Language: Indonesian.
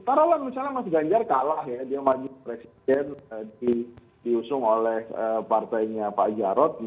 taruhlah misalnya mas ganjar kalah ya dia maju presiden diusung oleh partainya pak jarod